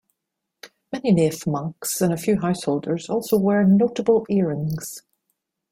Many Nath monks and a few householders also wear notable earrings.